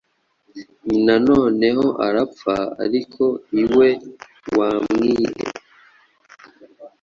Nyina noneho arapfa, ariko iwe wamwihe